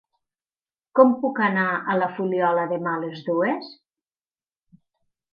Com puc anar a la Fuliola demà a les dues?